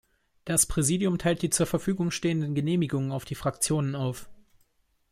Das Präsidium teilt die zur Verfügung stehenden Genehmigungen auf die Fraktionen auf.